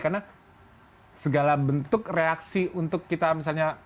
karena segala bentuk reaksi untuk kita misalnya